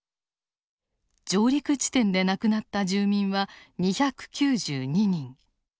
上陸地点で亡くなった住民は２９２人。